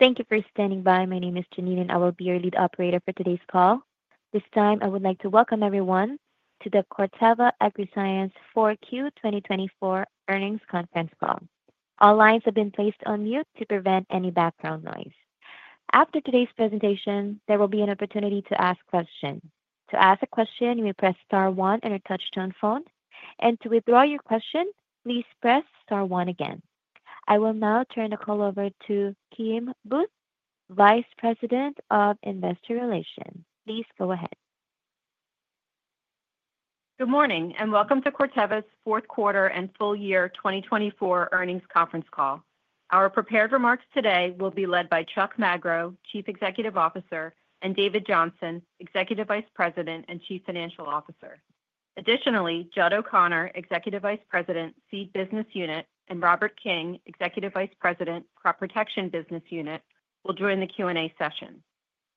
Thank you for standing by. My name is Janine, and I will be your lead operator for today's call. This time, I would like to welcome everyone to the Corteva Agriscience 4Q 2024 earnings conference call. All lines have been placed on mute to prevent any background noise. After today's presentation, there will be an opportunity to ask questions. To ask a question, you may press star one on your touch-tone phone, and to withdraw your question, please press star one again. I will now turn the call over to Kim Booth, Vice President of Investor Relations. Please go ahead. Good morning and welcome to Corteva's fourth quarter and full year 2024 earnings conference call. Our prepared remarks today will be led by Chuck Magro, Chief Executive Officer, and David Johnson, Executive Vice President and Chief Financial Officer. Additionally, Judd O'Connor, Executive Vice President, Seed Business Unit, and Robert King, Executive Vice President, Crop Protection Business Unit, will join the Q&A session.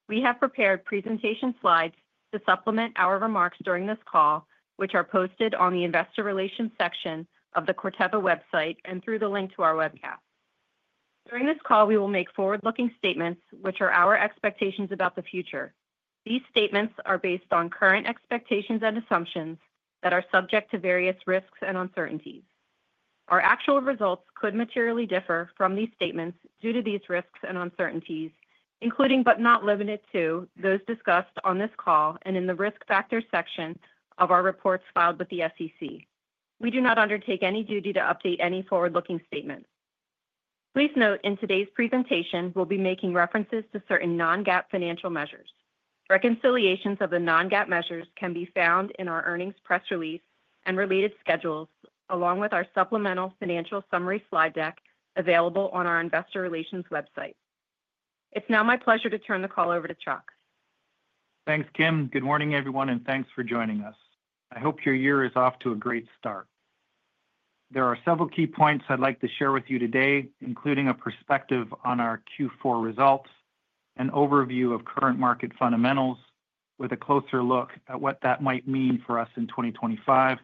We have prepared presentation slides to supplement our remarks during this call, which are posted on the Investor Relations section of the Corteva website and through the link to our webcast. During this call, we will make forward-looking statements, which are our expectations about the future. These statements are based on current expectations and assumptions that are subject to various risks and uncertainties. Our actual results could materially differ from these statements due to these risks and uncertainties, including but not limited to those discussed on this call and in the risk factor section of our reports filed with the SEC. We do not undertake any duty to update any forward-looking statements. Please note in today's presentation, we'll be making references to certain non-GAAP financial measures. Reconciliations of the non-GAAP measures can be found in our earnings press release and related schedules, along with our supplemental financial summary slide deck available on our Investor Relations website. It's now my pleasure to turn the call over to Chuck. Thanks, Kim. Good morning, everyone, and thanks for joining us. I hope your year is off to a great start. There are several key points I'd like to share with you today, including a perspective on our Q4 results, an overview of current market fundamentals with a closer look at what that might mean for us in 2025,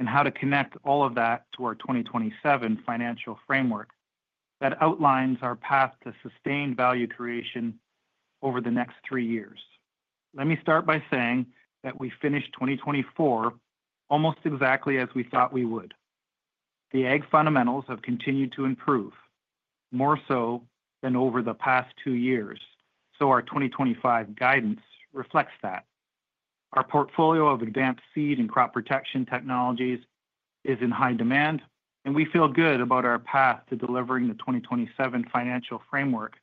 and how to connect all of that to our 2027 financial framework that outlines our path to sustained value creation over the next three years. Let me start by saying that we finished 2024 almost exactly as we thought we would. The ag fundamentals have continued to improve, more so than over the past two years, so our 2025 guidance reflects that. Our portfolio of advanced seed and crop protection technologies is in high demand, and we feel good about our path to delivering the 2027 financial framework,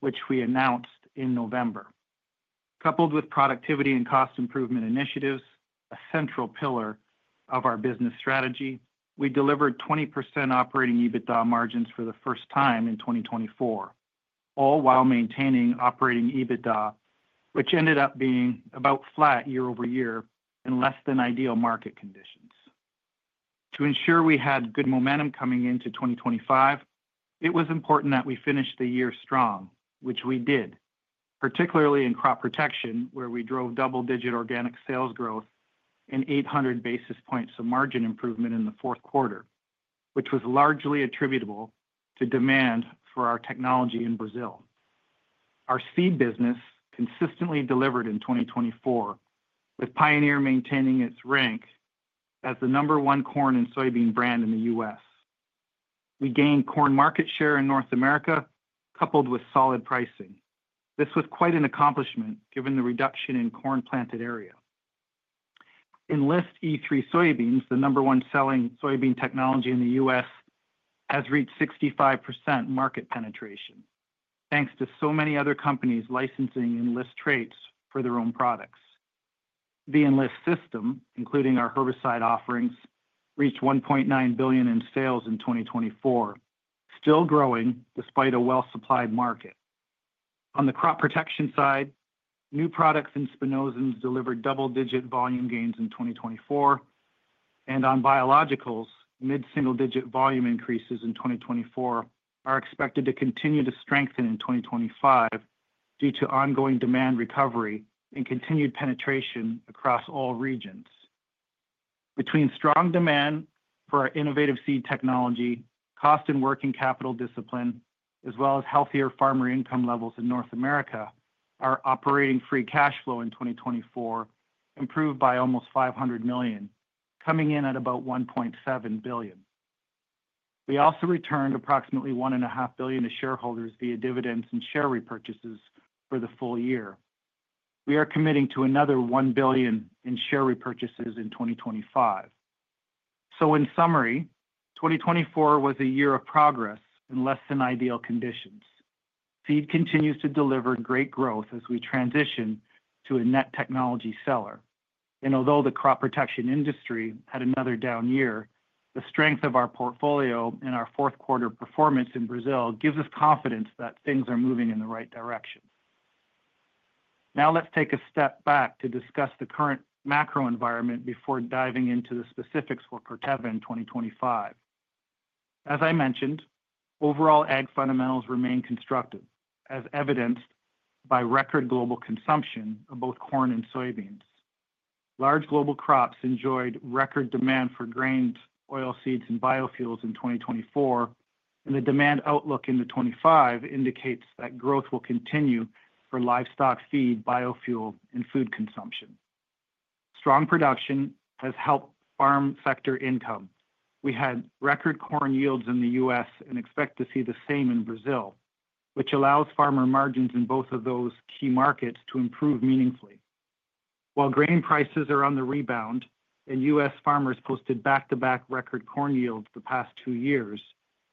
which we announced in November. Coupled with productivity and cost improvement initiatives, a central pillar of our business strategy, we delivered 20% operating EBITDA margins for the first time in 2024, all while maintaining operating EBITDA, which ended up being about flat year over year in less than ideal market conditions. To ensure we had good momentum coming into 2025, it was important that we finish the year strong, which we did, particularly in crop protection, where we drove double-digit organic sales growth and 800 basis points of margin improvement in the fourth quarter, which was largely attributable to demand for our technology in Brazil. Our seed business consistently delivered in 2024, with Pioneer maintaining its rank as the number one corn and soybean brand in the U.S. We gained corn market share in North America, coupled with solid pricing. This was quite an accomplishment given the reduction in corn planted area. Enlist E3 soybeans, the number one selling soybean technology in the U.S., has reached 65% market penetration, thanks to so many other companies licensing Enlist traits for their own products. The Enlist system, including our herbicide offerings, reached $1.9 billion in sales in 2024, still growing despite a well-supplied market. On the crop protection side, new products and Spinosyns delivered double-digit volume gains in 2024, and on biologicals, mid-single-digit volume increases in 2024 are expected to continue to strengthen in 2025 due to ongoing demand recovery and continued penetration across all regions. Between strong demand for our innovative seed technology, cost and working capital discipline, as well as healthier farmer income levels in North America, our operating free cash flow in 2024 improved by almost $500 million, coming in at about $1.7 billion. We also returned approximately $1.5 billion to shareholders via dividends and share repurchases for the full year. We are committing to another $1 billion in share repurchases in 2025. So, in summary, 2024 was a year of progress in less than ideal conditions. Seed continues to deliver great growth as we transition to a net technology seller, and although the crop protection industry had another down year, the strength of our portfolio and our fourth quarter performance in Brazil gives us confidence that things are moving in the right direction. Now, let's take a step back to discuss the current macro environment before diving into the specifics for Corteva in 2025. As I mentioned, overall ag fundamentals remain constructive, as evidenced by record global consumption of both corn and soybeans. Large global crops enjoyed record demand for grains, oilseeds, and biofuels in 2024, and the demand outlook into 2025 indicates that growth will continue for livestock feed, biofuel, and food consumption. Strong production has helped farm sector income. We had record corn yields in the U.S. and expect to see the same in Brazil, which allows farmer margins in both of those key markets to improve meaningfully. While grain prices are on the rebound and U.S. farmers posted back-to-back record corn yields the past two years,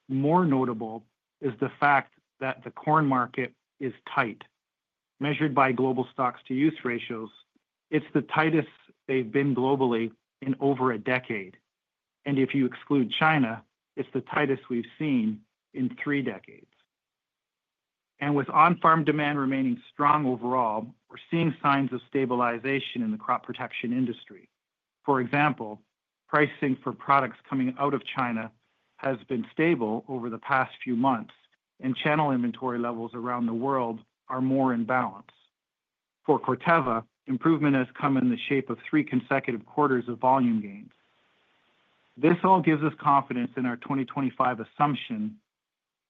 more notable is the fact that the corn market is tight. Measured by global stocks to use ratios, it's the tightest they've been globally in over a decade, and if you exclude China, it's the tightest we've seen in three decades. With on-farm demand remaining strong overall, we're seeing signs of stabilization in the crop protection industry. For example, pricing for products coming out of China has been stable over the past few months, and channel inventory levels around the world are more in balance. For Corteva, improvement has come in the shape of three consecutive quarters of volume gains. This all gives us confidence in our 2025 assumption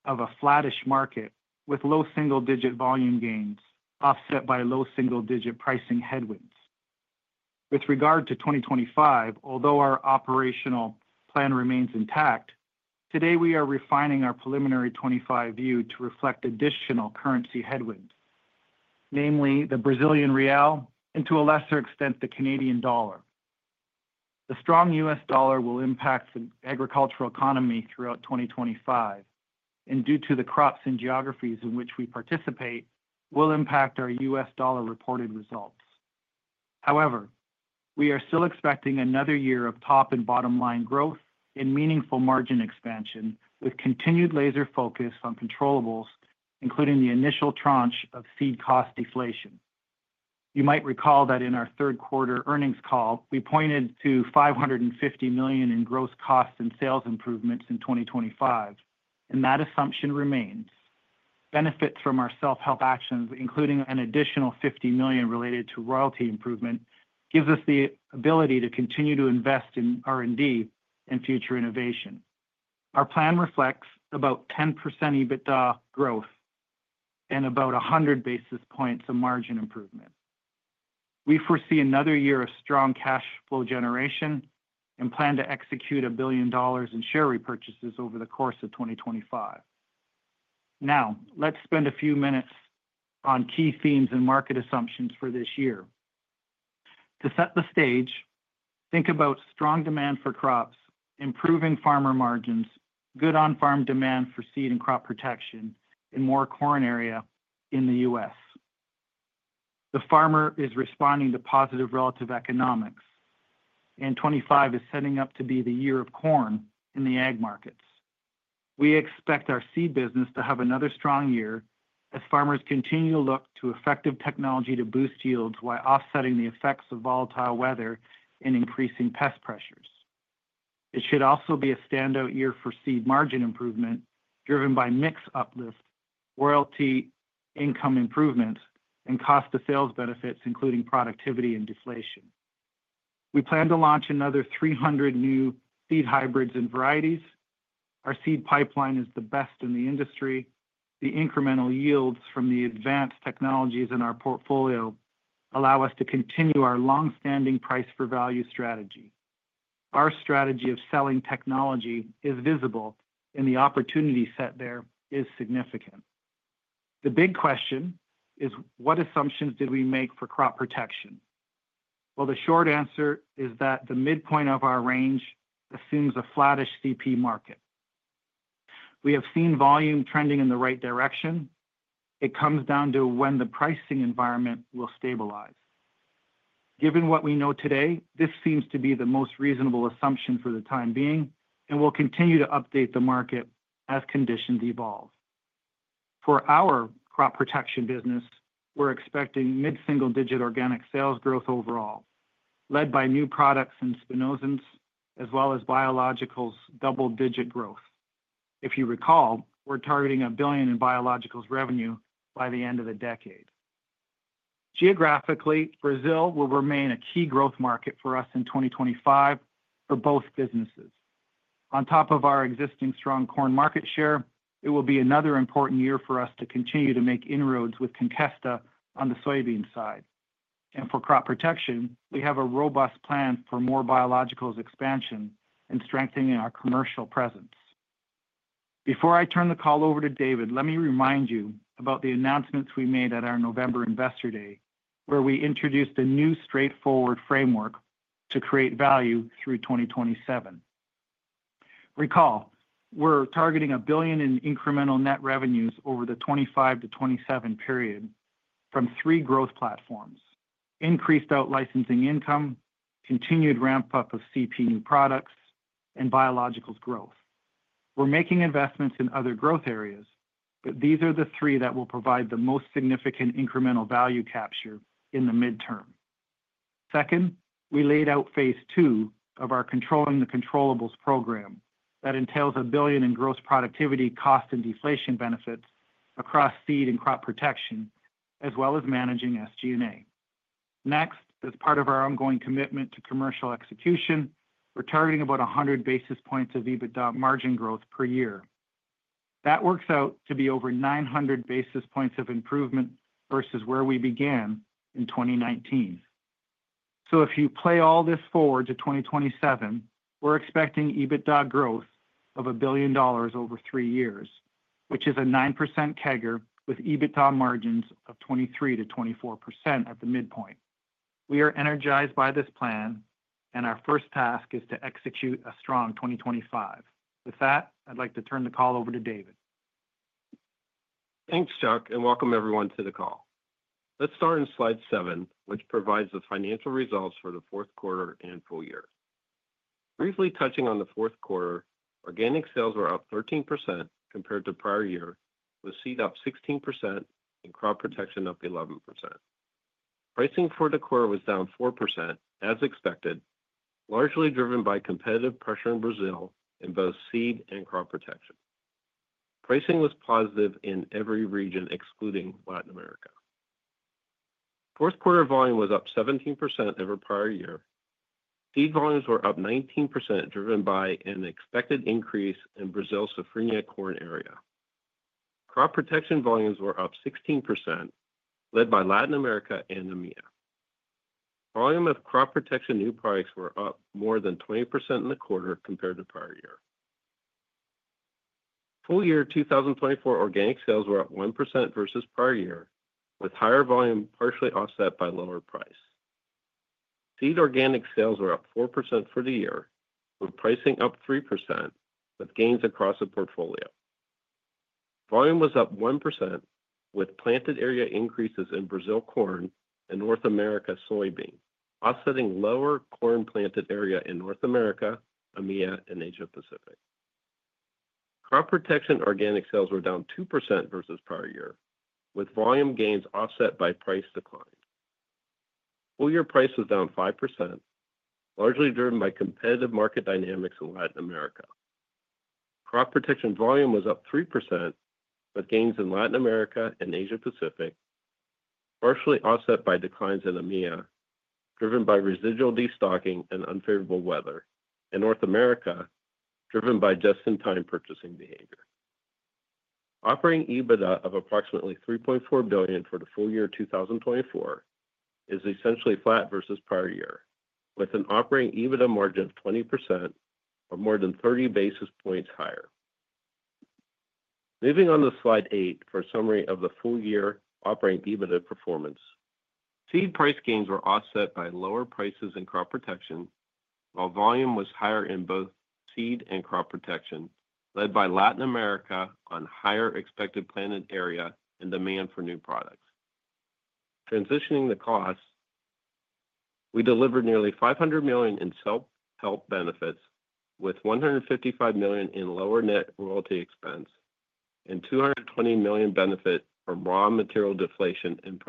of a flattish market with low single-digit volume gains, offset by low single-digit pricing headwinds. With regard to 2025, although our operational plan remains intact, today we are refining our preliminary 2025 view to reflect additional currency headwinds, namely the Brazilian real and, to a lesser extent, the Canadian dollar. The strong U.S. dollar will impact the agricultural economy throughout 2025, and due to the crops and geographies in which we participate, will impact our U.S. dollar reported results. However, we are still expecting another year of top and bottom line growth and meaningful margin expansion with continued laser focus on controllables, including the initial tranche of seed cost deflation. You might recall that in our third quarter earnings call, we pointed to $550 million in gross costs and sales improvements in 2025, and that assumption remains. Benefits from our self-help actions, including an additional $50 million related to royalty improvement, give us the ability to continue to invest in R&D and future innovation. Our plan reflects about 10% EBITDA growth and about 100 basis points of margin improvement. We foresee another year of strong cash flow generation and plan to execute $1 billion in share repurchases over the course of 2025. Now, let's spend a few minutes on key themes and market assumptions for this year. To set the stage, think about strong demand for crops, improving farmer margins, good on-farm demand for seed and crop protection, and more corn area in the U.S. The farmer is responding to positive relative economics, and 2025 is setting up to be the year of corn in the ag markets. We expect our seed business to have another strong year as farmers continue to look to effective technology to boost yields while offsetting the effects of volatile weather and increasing pest pressures. It should also be a standout year for seed margin improvement driven by mix uplift, royalty income improvement, and cost of sales benefits, including productivity and deflation. We plan to launch another 300 new seed hybrids and varieties. Our seed pipeline is the best in the industry. The incremental yields from the advanced technologies in our portfolio allow us to continue our long-standing price-for-value strategy. Our strategy of selling technology is visible, and the opportunity set there is significant. The big question is, what assumptions did we make for crop protection? Well, the short answer is that the midpoint of our range assumes a flattish CP market. We have seen volume trending in the right direction. It comes down to when the pricing environment will stabilize. Given what we know today, this seems to be the most reasonable assumption for the time being, and we'll continue to update the market as conditions evolve. For our crop protection business, we're expecting mid-single-digit organic sales growth overall, led by new products and spinosyns, as well as biologicals' double-digit growth. If you recall, we're targeting $1 billion in biologicals revenue by the end of the decade. Geographically, Brazil will remain a key growth market for us in 2025 for both businesses. On top of our existing strong corn market share, it will be another important year for us to continue to make inroads with Conkesta on the soybean side. And for crop protection, we have a robust plan for more biologicals expansion and strengthening our commercial presence. Before I turn the call over to David, let me remind you about the announcements we made at our November Investor Day, where we introduced a new straightforward framework to create value through 2027. Recall, we're targeting $1 billion in incremental net revenues over the 2025 to 2027 period from three growth platforms: increased out licensing income, continued ramp-up of CP new products, and biologicals growth. We're making investments in other growth areas, but these are the three that will provide the most significant incremental value capture in the midterm. Second, we laid out phase two of our controlling the controllables program that entails $1 billion in gross productivity, cost, and deflation benefits across seed and crop protection, as well as managing SG&A. Next, as part of our ongoing commitment to commercial execution, we're targeting about 100 basis points of EBITDA margin growth per year. That works out to be over 900 basis points of improvement versus where we began in 2019. So, if you play all this forward to 2027, we're expecting EBITDA growth of $1 billion over three years, which is a 9% CAGR with EBITDA margins of 23%-24% at the midpoint. We are energized by this plan, and our first task is to execute a strong 2025. With that, I'd like to turn the call over to David. Thanks, Chuck, and welcome everyone to the call. Let's start in slide seven, which provides the financial results for the fourth quarter and full year. Briefly touching on the fourth quarter, organic sales were up 13% compared to prior year, with seed up 16% and crop protection up 11%. Pricing for the quarter was down 4%, as expected, largely driven by competitive pressure in Brazil in both seed and crop protection. Pricing was positive in every region, excluding Latin America. Fourth quarter volume was up 17% over prior year. Seed volumes were up 19%, driven by an expected increase in Brazil's safrinha corn area. Crop protection volumes were up 16%, led by Latin America and EMEA. Volume of crop protection new products were up more than 20% in the quarter compared to prior year. Full year 2024 organic sales were up 1% versus prior year, with higher volume partially offset by lower price. Seed organic sales were up 4% for the year, with pricing up 3%, with gains across the portfolio. Volume was up 1%, with planted area increases in Brazil corn and North America soybean, offsetting lower corn planted area in North America, EMEA, and Asia Pacific. Crop protection organic sales were down 2% versus prior year, with volume gains offset by price decline. Full year price was down 5%, largely driven by competitive market dynamics in Latin America. Crop protection volume was up 3%, with gains in Latin America and Asia Pacific, partially offset by declines in EMEA, driven by residual destocking and unfavorable weather, and North America, driven by just-in-time purchasing behavior. Operating EBITDA of approximately $3.4 billion for the full year 2024 is essentially flat versus prior year, with an operating EBITDA margin of 20% or more than 30 basis points higher. Moving on to slide eight for a summary of the full year operating EBITDA performance. Seed price gains were offset by lower prices in crop protection, while volume was higher in both seed and crop protection, led by Latin America on higher expected planted area and demand for new products. Transitioning the costs, we delivered nearly $500 million in self-help benefits, with $155 million in lower net royalty expense, and $220 million benefit from raw material deflation and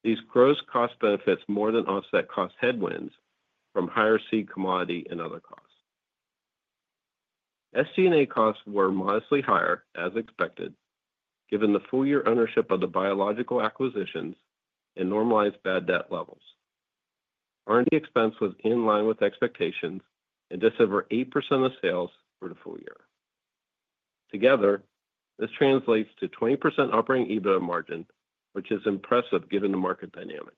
productivity actions. These gross cost benefits more than offset cost headwinds from higher seed commodity and other costs. SG&A costs were modestly higher, as expected, given the full year ownership of the biological acquisitions and normalized bad debt levels. R&D expense was in line with expectations, and just over 8% of sales for the full year. Together, this translates to 20% operating EBITDA margin, which is impressive given the market dynamics.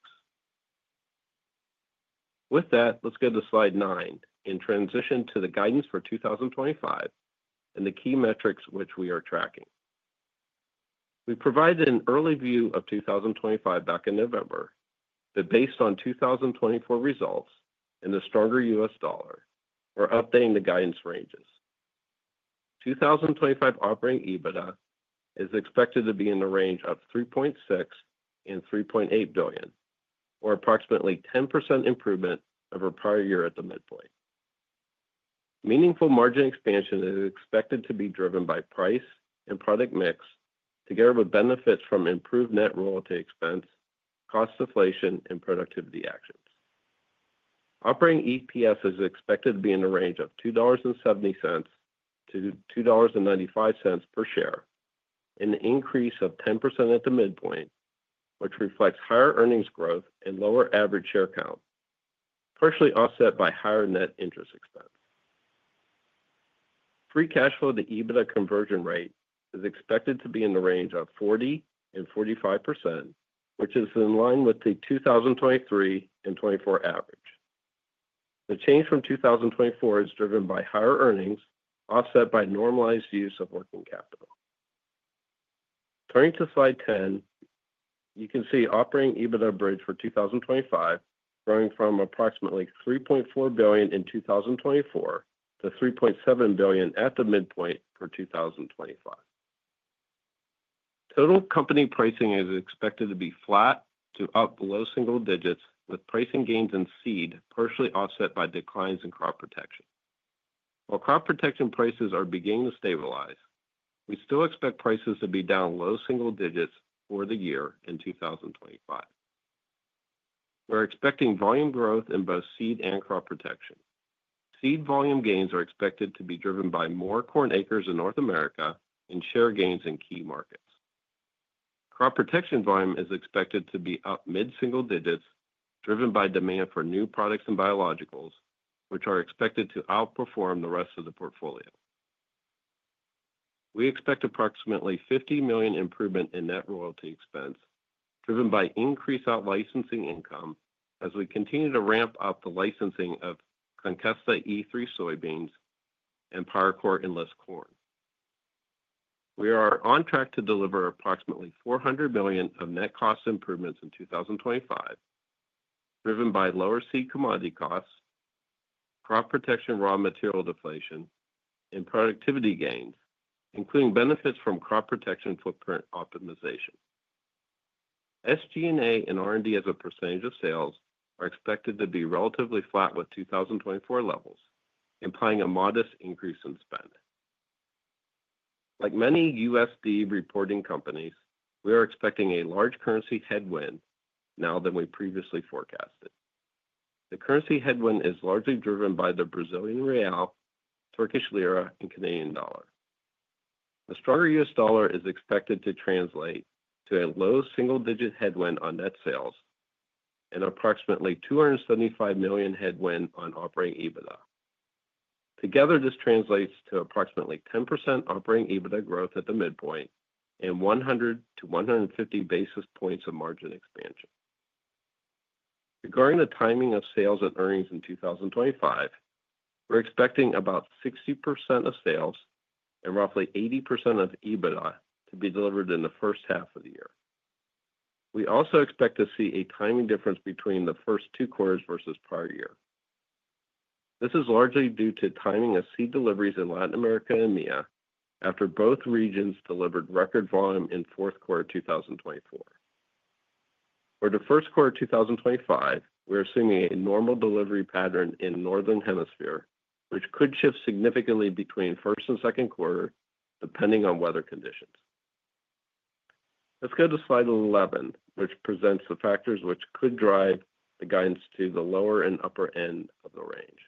With that, let's go to slide nine and transition to the guidance for 2025 and the key metrics which we are tracking. We provided an early view of 2025 back in November, but based on 2024 results and the stronger US dollar, we're updating the guidance ranges. 2025 operating EBITDA is expected to be in the range of $3.6-$3.8 billion, or approximately 10% improvement over prior year at the midpoint. Meaningful margin expansion is expected to be driven by price and product mix, together with benefits from improved net royalty expense, cost deflation, and productivity actions. Operating EPS is expected to be in the range of $2.70-$2.95 per share, an increase of 10% at the midpoint, which reflects higher earnings growth and lower average share count, partially offset by higher net interest expense. Free cash flow to EBITDA conversion rate is expected to be in the range of 40%-45%, which is in line with the 2023 and 2024 average. The change from 2024 is driven by higher earnings, offset by normalized use of working capital. Turning to slide 10, you can see operating EBITDA bridge for 2025 growing from approximately $3.4 billion in 2024 to $3.7 billion at the midpoint for 2025. Total company pricing is expected to be flat to up below single digits, with pricing gains in seed partially offset by declines in crop protection. While crop protection prices are beginning to stabilize, we still expect prices to be down low single digits for the year in 2025. We're expecting volume growth in both seed and crop protection. Seed volume gains are expected to be driven by more corn acres in North America and share gains in key markets. Crop protection volume is expected to be up mid-single digits, driven by demand for new products and biologicals, which are expected to outperform the rest of the portfolio. We expect approximately $50 million improvement in net royalty expense, driven by increased out licensing income as we continue to ramp up the licensing of Conkesta E3 soybeans and PowerCore and Enlist corn. We are on track to deliver approximately $400 million of net cost improvements in 2025, driven by lower seed commodity costs, crop protection raw material deflation, and productivity gains, including benefits from crop protection footprint optimization. SG&A and R&D as a percentage of sales are expected to be relatively flat with 2024 levels, implying a modest increase in spend. Like many USD reporting companies, we are expecting a large currency headwind more now than we previously forecasted. The currency headwind is largely driven by the Brazilian Real, Turkish Lira, and Canadian Dollar. The stronger U.S. dollar is expected to translate to a low single-digit headwind on net sales and approximately $275 million headwind on operating EBITDA. Together, this translates to approximately 10% operating EBITDA growth at the midpoint and 100 to 150 basis points of margin expansion. Regarding the timing of sales and earnings in 2025, we're expecting about 60% of sales and roughly 80% of EBITDA to be delivered in the first half of the year. We also expect to see a timing difference between the first two quarters versus prior year. This is largely due to timing of seed deliveries in Latin America and EMEA after both regions delivered record volume in fourth quarter 2024. For the first quarter 2025, we're assuming a normal delivery pattern in northern hemisphere, which could shift significantly between first and second quarter depending on weather conditions. Let's go to slide 11, which presents the factors which could drive the guidance to the lower and upper end of the range.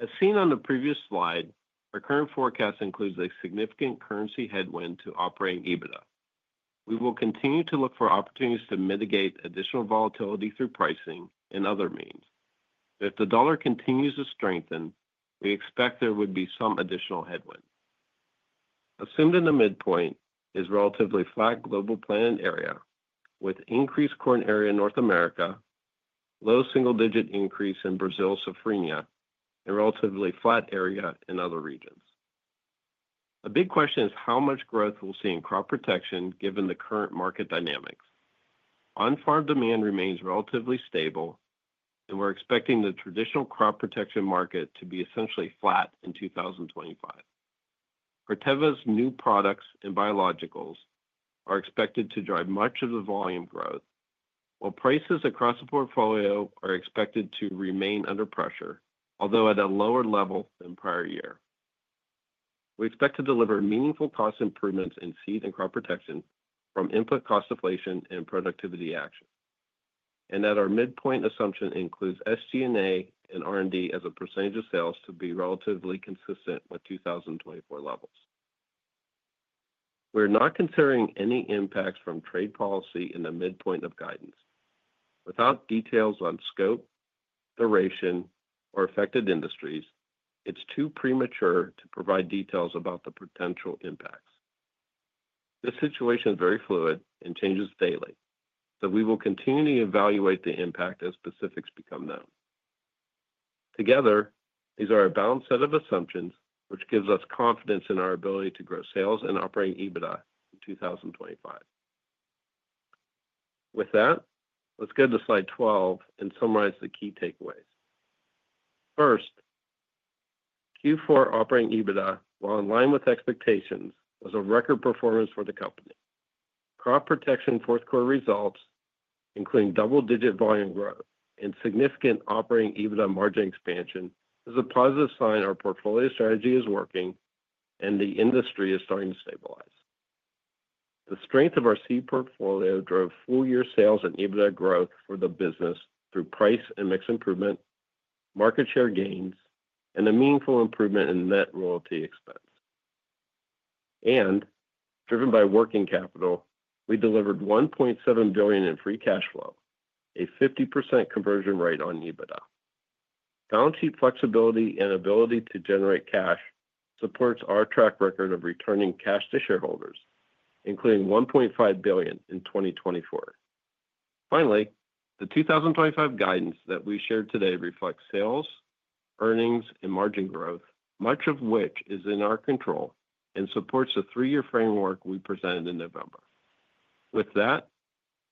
As seen on the previous slide, our current forecast includes a significant currency headwind to operating EBITDA. We will continue to look for opportunities to mitigate additional volatility through pricing and other means. If the dollar continues to strengthen, we expect there would be some additional headwind. Assumed in the midpoint is relatively flat global planted area with increased corn area in North America, low single-digit increase in Brazil's safrinha, and relatively flat area in other regions. A big question is how much growth we'll see in crop protection given the current market dynamics. On-farm demand remains relatively stable, and we're expecting the traditional crop protection market to be essentially flat in 2025. Corteva's new products and biologicals are expected to drive much of the volume growth, while prices across the portfolio are expected to remain under pressure, although at a lower level than prior year. We expect to deliver meaningful cost improvements in seed and crop protection from input cost deflation and productivity action. That our midpoint assumption includes SG&A and R&D as a percentage of sales to be relatively consistent with 2024 levels. We're not considering any impacts from trade policy in the midpoint of guidance. Without details on scope, duration, or affected industries, it's too premature to provide details about the potential impacts. This situation is very fluid and changes daily, so we will continue to evaluate the impact as specifics become known. Together, these are a balanced set of assumptions, which gives us confidence in our ability to grow sales and operating EBITDA in 2025. With that, let's go to slide 12 and summarize the key takeaways. First, Q4 operating EBITDA, while in line with expectations, was a record performance for the company. Crop protection fourth quarter results, including double-digit volume growth and significant operating EBITDA margin expansion, is a positive sign our portfolio strategy is working and the industry is starting to stabilize. The strength of our seed portfolio drove full year sales and EBITDA growth for the business through price and mix improvement, market share gains, and a meaningful improvement in net royalty expense. And driven by working capital, we delivered $1.7 billion in free cash flow, a 50% conversion rate on EBITDA. Balance sheet flexibility and ability to generate cash supports our track record of returning cash to shareholders, including $1.5 billion in 2024. Finally, the 2025 guidance that we shared today reflects sales, earnings, and margin growth, much of which is in our control and supports the three-year framework we presented in November. With that,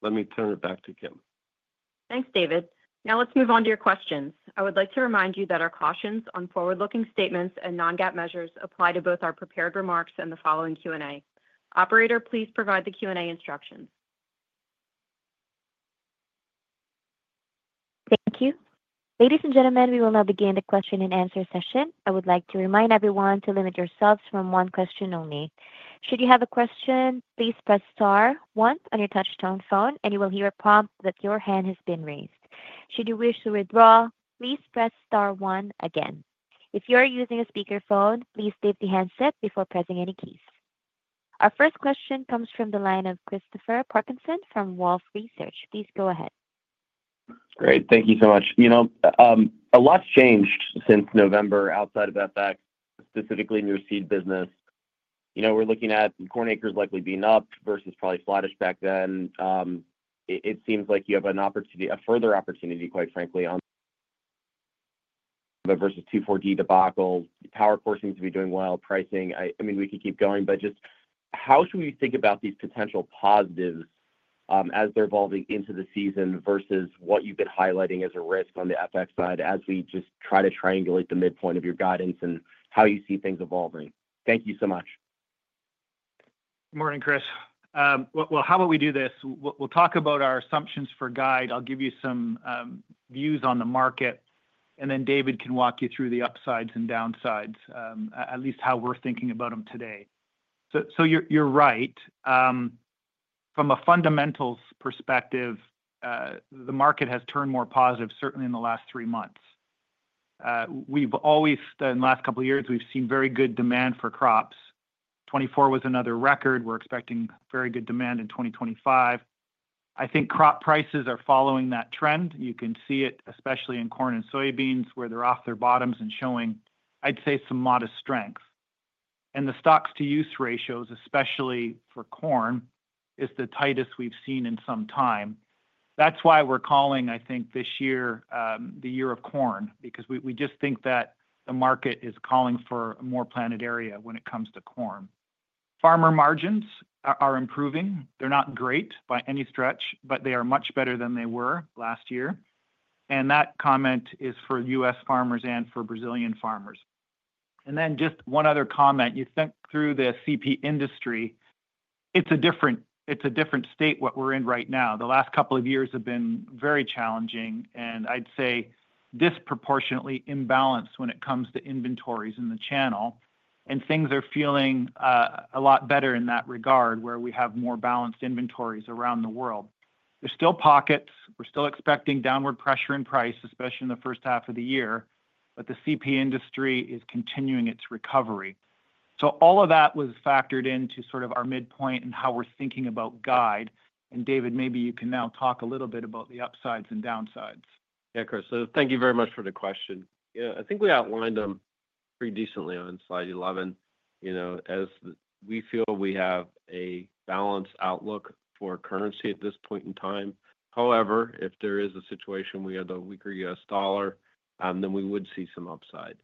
let me turn it back to Kim. Thanks, David. Now let's move on to your questions. I would like to remind you that our cautions on forward-looking statements and non-GAAP measures apply to both our prepared remarks and the following Q&A. Operator, please provide the Q&A instructions. Thank you. Ladies and gentlemen, we will now begin the question and answer session. I would like to remind everyone to limit yourselves to one question only. Should you have a question, please press star one on your touch-tone phone, and you will hear a prompt that your hand has been raised. Should you wish to withdraw, please press star one again. If you are using a speakerphone, please leave the handset before pressing any keys. Our first question comes from the line of Christopher Parkinson from Wolfe Research. Please go ahead. Great. Thank you so much. You know, a lot's changed since November outside of FX, specifically in your seed business. You know, we're looking at corn acres likely being up versus probably flattish back then. It seems like you have an opportunity, a further opportunity, quite frankly, on the 2,4-D debacle. PowerCore seems to be doing well. Pricing, I mean, we could keep going, but just how should we think about these potential positives as they're evolving into the season versus what you've been highlighting as a risk on the FX side as we just try to triangulate the midpoint of your guidance and how you see things evolving? Thank you so much. Good morning, Chris. Well, how about we do this? We'll talk about our assumptions for guide. I'll give you some views on the market, and then David can walk you through the upsides and downsides, at least how we're thinking about them today. So you're right. From a fundamentals perspective, the market has turned more positive, certainly in the last three months. We've always, in the last couple of years, we've seen very good demand for crops. 2024 was another record. We're expecting very good demand in 2025. I think crop prices are following that trend. You can see it, especially in corn and soybeans, where they're off their bottoms and showing, I'd say, some modest strength. And the stocks-to-use ratios, especially for corn, are the tightest we've seen in some time. That's why we're calling, I think, this year the year of corn, because we just think that the market is calling for more planted area when it comes to corn. Farmer margins are improving. They're not great by any stretch, but they are much better than they were last year. And that comment is for U.S. farmers and for Brazilian farmers. Then just one other comment. You think through the CP industry; it's a different state what we're in right now. The last couple of years have been very challenging, and I'd say disproportionately imbalanced when it comes to inventories in the channel. And things are feeling a lot better in that regard, where we have more balanced inventories around the world. There's still pockets. We're still expecting downward pressure in price, especially in the first half of the year, but the CP industry is continuing its recovery. So all of that was factored into sort of our midpoint and how we're thinking about guide. And David, maybe you can now talk a little bit about the upsides and downsides. Yeah, Chris, so thank you very much for the question. Yeah, I think we outlined them pretty decently on slide 11, you know, as we feel we have a balanced outlook for currency at this point in time. However, if there is a situation we had a weaker U.S. dollar, then we would see some upside.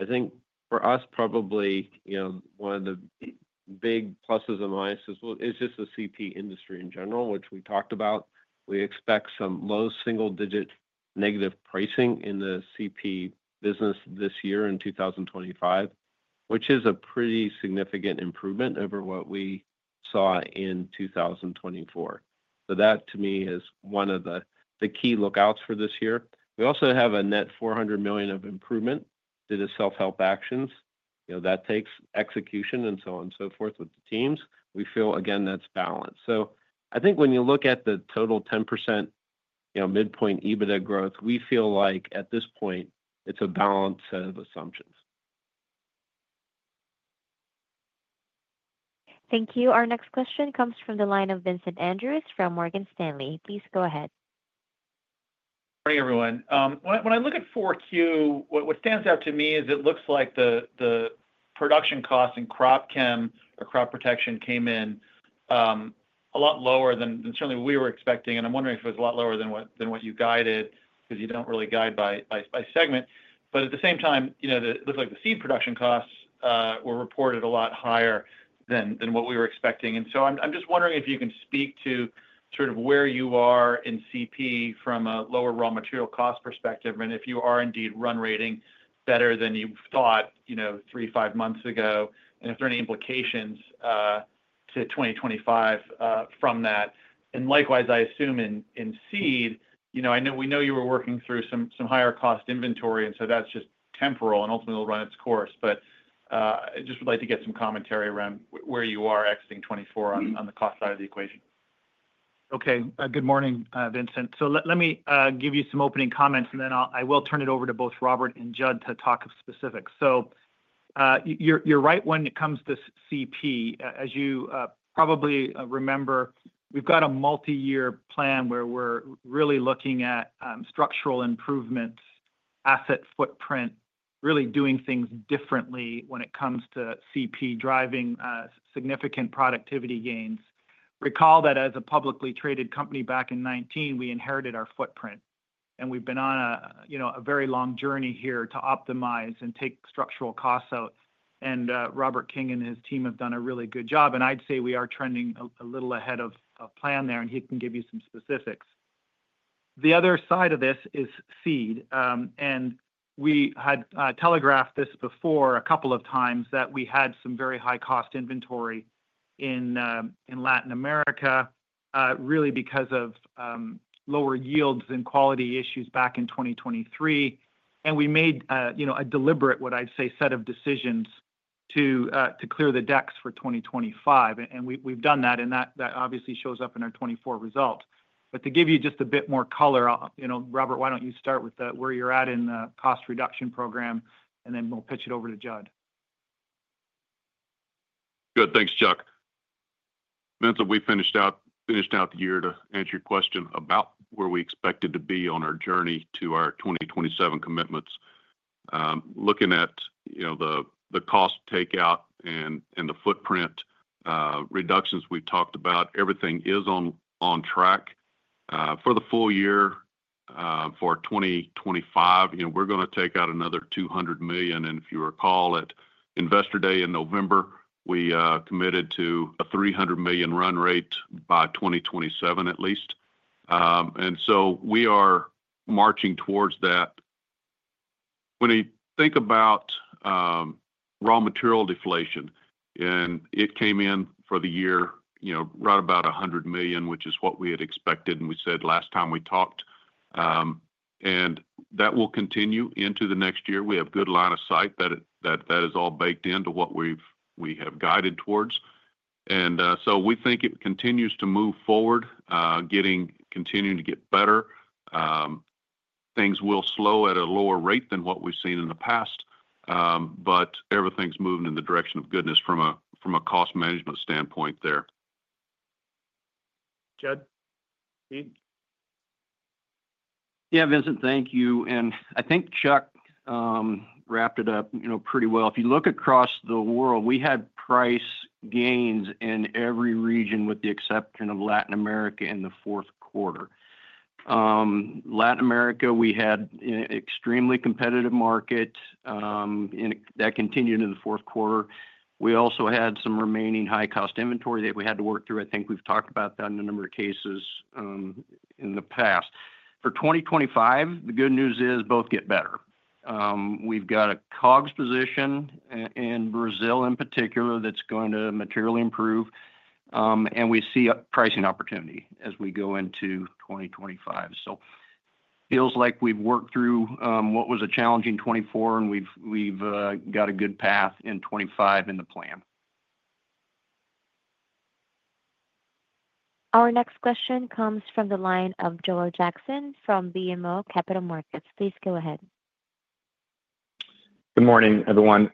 I think for us, probably, you know, one of the big pluses and minuses is just the CP industry in general, which we talked about. We expect some low single-digit negative pricing in the CP business this year in 2025, which is a pretty significant improvement over what we saw in 2024. So that, to me, is one of the key lookouts for this year. We also have a net $400 million of improvement due to self-help actions. You know, that takes execution and so on and so forth with the teams. We feel, again, that's balanced. So I think when you look at the total 10%, you know, midpoint EBITDA growth, we feel like at this point, it's a balance of assumptions. Thank you. Our next question comes from the line of Vincent Andrews from Morgan Stanley. Please go ahead. Morning, everyone. When I look at 4Q, what stands out to me is it looks like the production costs and crop chem or crop protection came in a lot lower than certainly we were expecting. And I'm wondering if it was a lot lower than what you guided because you don't really guide by segment. But at the same time, you know, it looks like the seed production costs were reported a lot higher than what we were expecting. And so I'm just wondering if you can speak to sort of where you are in CP from a lower raw material cost perspective and if you are indeed run rating better than you thought, you know, three, five months ago, and if there are any implications to 2025 from that. And likewise, I assume in seed, you know, I know we know you were working through some higher cost inventory, and so that's just temporal and ultimately will run its course. But I just would like to get some commentary around where you are exiting 2024 on the cost side of the equation. Okay. Good morning, Vincent. So let me give you some opening comments, and then I will turn it over to both Robert and Judd to talk specifics. So you're right when it comes to CP. As you probably remember, we've got a multi-year plan where we're really looking at structural improvements, asset footprint, really doing things differently when it comes to CP driving significant productivity gains. Recall that as a publicly traded company back in 2019, we inherited our footprint, and we've been on a, you know, a very long journey here to optimize and take structural costs out. And Robert King and his team have done a really good job, and I'd say we are trending a little ahead of plan there, and he can give you some specifics. The other side of this is seed, and we had telegraphed this before a couple of times that we had some very high cost inventory in Latin America, really because of lower yields and quality issues back in 2023. We made, you know, a deliberate, what I'd say, set of decisions to clear the decks for 2025, and we've done that, and that obviously shows up in our 2024 result. To give you just a bit more color, you know, Robert, why don't you start with where you're at in the cost reduction program, and then we'll pitch it over to Judd. Good. Thanks, Chuck. Vincent, we finished out the year to answer your question about where we expected to be on our journey to our 2027 commitments. Looking at, you know, the cost takeout and the footprint reductions we've talked about, everything is on track. For the full year 2025, you know, we're going to take out another $200 million. If you recall, at Investor Day in November, we committed to a $300 million run rate by 2027 at least. So we are marching towards that. When you think about raw material deflation, and it came in for the year, you know, right about $100 million, which is what we had expected, and we said last time we talked, and that will continue into the next year. We have good line of sight that that is all baked into what we have guided towards. So we think it continues to move forward, getting continuing to get better. Things will slow at a lower rate than what we've seen in the past, but everything's moving in the direction of goodness from a cost management standpoint there. Judd, Keith? Yeah, Vincent, thank you. I think Chuck wrapped it up, you know, pretty well. If you look across the world, we had price gains in every region with the exception of Latin America in the fourth quarter. Latin America, we had an extremely competitive market that continued into the fourth quarter. We also had some remaining high cost inventory that we had to work through. I think we've talked about that in a number of cases in the past. For 2025, the good news is both get better. We've got a COGS position in Brazil in particular that's going to materially improve, and we see a pricing opportunity as we go into 2025. So feels like we've worked through what was a challenging 2024, and we've got a good path in 2025 in the plan. Our next question comes from the line of Joel Jackson from BMO Capital Markets. Please go ahead. Good morning, everyone.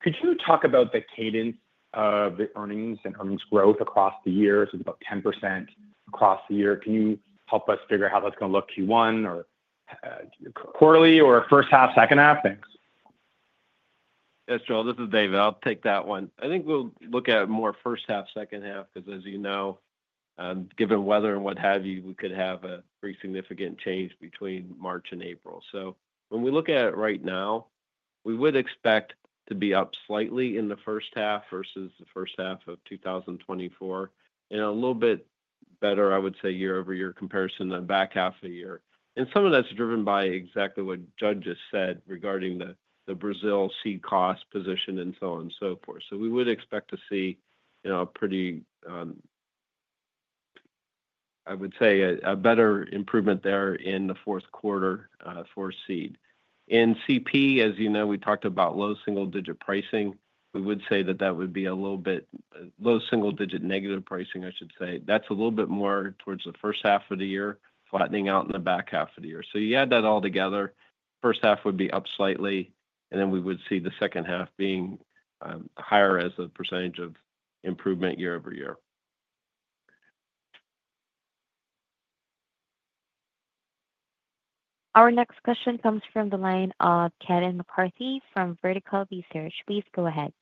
Could you talk about the cadence of the earnings and earnings growth across the year? It's about 10% across the year. Can you help us figure out how that's going to look Q1 or quarterly or first half, second half? Thanks. Yes, Joel, this is David. I'll take that one. I think we'll look at more first half, second half, because as you know, given weather and what have you, we could have a pretty significant change between March and April. So when we look at it right now, we would expect to be up slightly in the first half versus the first half of 2024 and a little bit better, I would say, year over year comparison than back half of the year. And some of that's driven by exactly what Judd just said regarding the Brazil seed cost position and so on and so forth. So we would expect to see, you know, a pretty, I would say, a better improvement there in the fourth quarter for seed. In CP, as you know, we talked about low single-digit pricing. We would say that that would be a little bit low single-digit negative pricing, I should say. That's a little bit more towards the first half of the year, flattening out in the back half of the year. So you add that all together, first half would be up slightly, and then we would see the second half being higher as a percentage of improvement year over year. Our next question comes from the line of Kevin McCarthy from Vertical Research Partners. Please go ahead.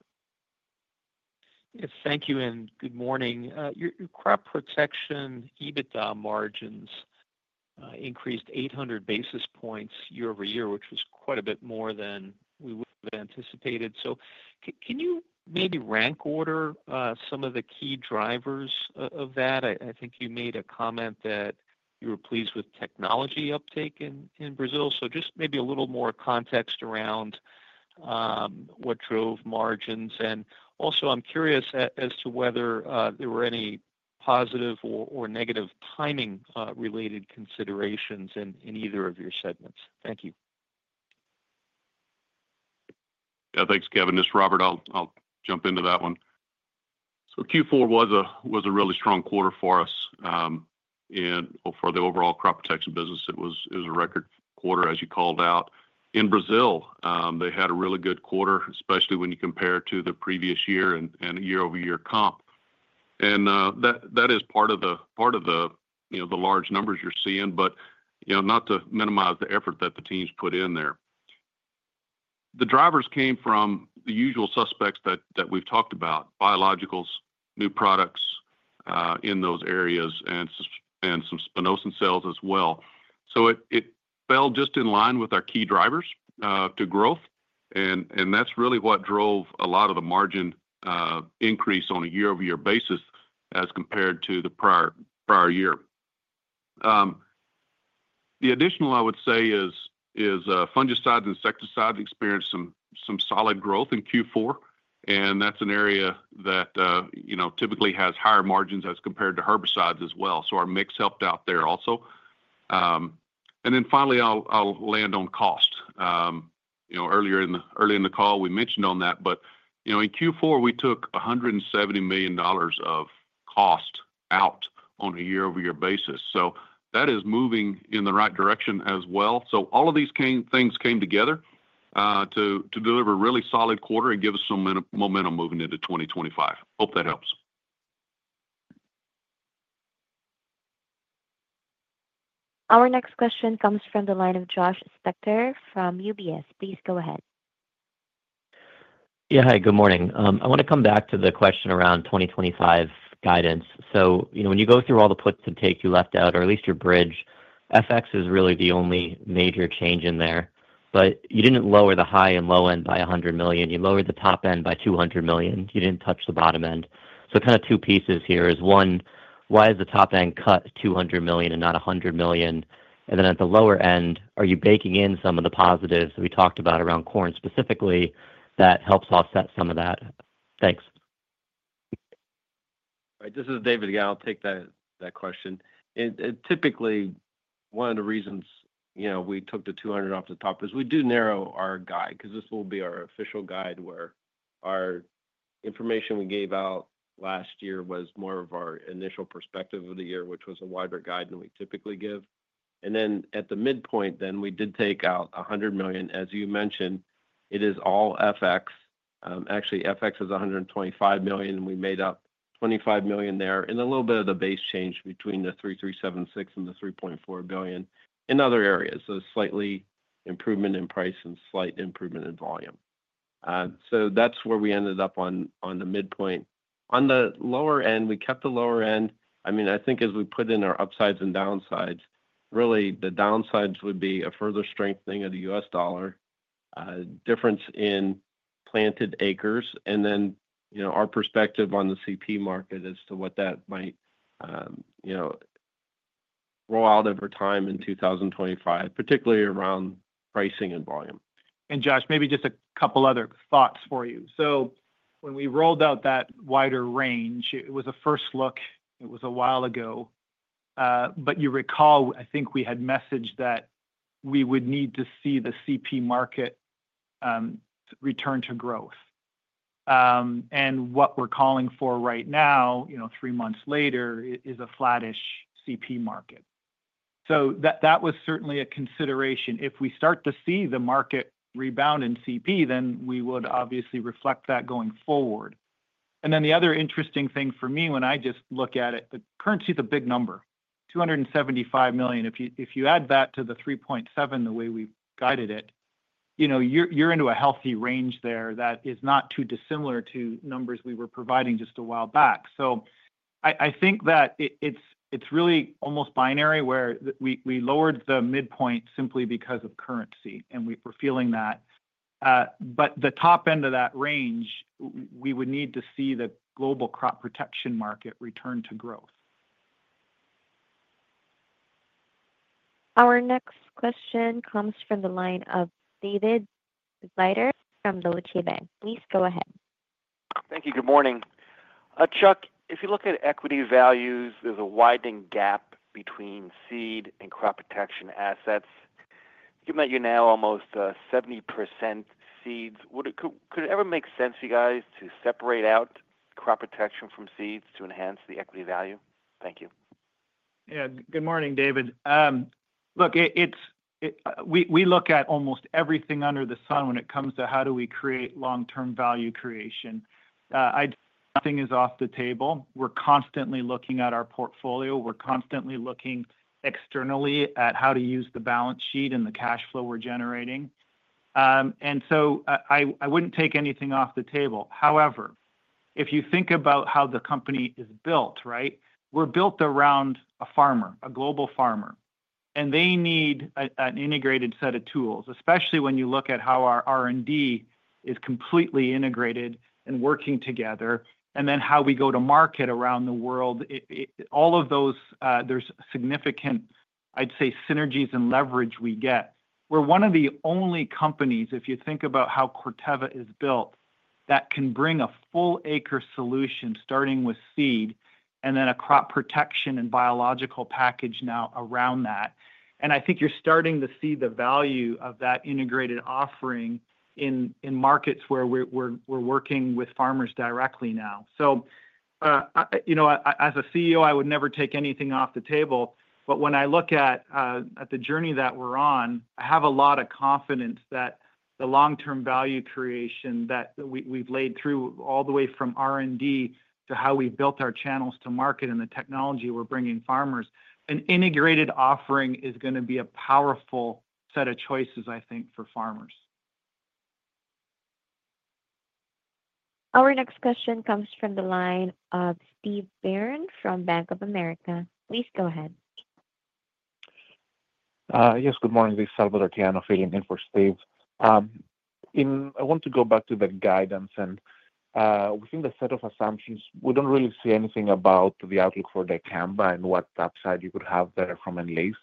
Thank you and good morning. Your crop protection EBITDA margins increased 800 basis points year over year, which was quite a bit more than we would have anticipated. So can you maybe rank order some of the key drivers of that? I think you made a comment that you were pleased with technology uptake in Brazil. So just maybe a little more context around what drove margins. And also, I'm curious as to whether there were any positive or negative timing-related considerations in either of your segments. Thank you. Yeah, thanks, Kevin. This is Robert. I'll jump into that one. So Q4 was a really strong quarter for us and for the overall crop protection business. It was a record quarter, as you called out. In Brazil, they had a really good quarter, especially when you compare it to the previous year and year-over-year comp. And that is part of the, you know, the large numbers you're seeing, but, you know, not to minimize the effort that the teams put in there. The drivers came from the usual suspects that we've talked about: biologicals, new products in those areas, and some spinosyns sales as well. So it fell just in line with our key drivers to growth, and that's really what drove a lot of the margin increase on a year-over-year basis as compared to the prior year. The additional, I would say, is fungicides and insecticides experienced some solid growth in Q4, and that's an area that, you know, typically has higher margins as compared to herbicides as well. So our mix helped out there also. And then finally, I'll land on cost. You know, earlier in the call, we mentioned on that, but, you know, in Q4, we took $170 million of cost out on a year-over-year basis. So that is moving in the right direction as well. So all of these things came together to deliver a really solid quarter and give us some momentum moving into 2025. Hope that helps. Our next question comes from the line of Josh Spector from UBS. Please go ahead. Yeah, hi, good morning. I want to come back to the question around 2025 guidance. So, you know, when you go through all the puts and takes you left out, or at least your bridge, FX is really the only major change in there, but you didn't lower the high and low end by $100 million. You lowered the top end by $200 million. You didn't touch the bottom end. So kind of two pieces here is one, why is the top end cut $200 million and not $100 million? And then at the lower end, are you baking in some of the positives that we talked about around corn specifically that helps offset some of that? Thanks. All right, this is David again. I'll take that question. And typically, one of the reasons, you know, we took the $200 million off the top is we do narrow our guide because this will be our official guide where our information we gave out last year was more of our initial perspective of the year, which was a wider guide than we typically give. And then at the midpoint, then we did take out $100 million. As you mentioned, it is all FX. Actually, FX is $125 million, and we made up $25 million there and a little bit of the base change between the $3.376 billion and the $3.4 billion in other areas. Slight improvement in price and slight improvement in volume. So that's where we ended up on the midpoint. On the lower end, we kept the lower end. I mean, I think as we put in our upsides and downsides, really the downsides would be a further strengthening of the U.S. dollar, difference in planted acres, and then, you know, our perspective on the CP market as to what that might, you know, roll out over time in 2025, particularly around pricing and volume. And Josh, maybe just a couple other thoughts for you. So when we rolled out that wider range, it was a first look. It was a while ago. But you recall, I think we had messaged that we would need to see the CP market return to growth. And what we're calling for right now, you know, three months later, is a flattish CP market. That was certainly a consideration. If we start to see the market rebound in CP, then we would obviously reflect that going forward. The other interesting thing for me, when I just look at it, the currency is a big number, $275 million. If you add that to the $3.7, the way we guided it, you know, you're into a healthy range there that is not too dissimilar to numbers we were providing just a while back. I think that it's really almost binary where we lowered the midpoint simply because of currency, and we're feeling that. The top end of that range, we would need to see the global crop protection market return to growth. Our next question comes from the line of David Begleiter from Deutsche Bank. Please go ahead. Thank you. Good morning. Chuck, if you look at equity values, there's a widening gap between seed and crop protection assets. Given that you now almost 70% seeds, could it ever make sense for you guys to separate out crop protection from seeds to enhance the equity value? Thank you. Yeah, good morning, David. Look, we look at almost everything under the sun when it comes to how do we create long-term value creation. Nothing is off the table. We're constantly looking at our portfolio. We're constantly looking externally at how to use the balance sheet and the cash flow we're generating. And so I wouldn't take anything off the table. However, if you think about how the company is built, right, we're built around a farmer, a global farmer, and they need an integrated set of tools, especially when you look at how our R&D is completely integrated and working together, and then how we go to market around the world. All of those, there's significant, I'd say, synergies and leverage we get. We're one of the only companies, if you think about how Corteva is built, that can bring a full-acre solution starting with seed and then a crop protection and biological package now around that. And I think you're starting to see the value of that integrated offering in markets where we're working with farmers directly now. So, you know, as a CEO, I would never take anything off the table, but when I look at the journey that we're on, I have a lot of confidence that the long-term value creation that we've laid through all the way from R&D to how we built our channels to market and the technology we're bringing farmers, an integrated offering is going to be a powerful set of choices, I think, for farmers. Our next question comes from the line of Steve Byrne from Bank of America. Please go ahead. Yes, Good morning. This is Salvador Tiano, filling in for Steve. I want to go back to the guidance, and within the set of assumptions, we don't really see anything about the outlook for the Canada and what upside you could have there from a lease.